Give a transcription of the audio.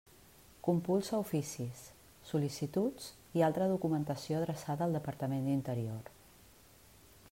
Compulsa oficis, sol·licituds i altra documentació adreçada al Departament d'Interior.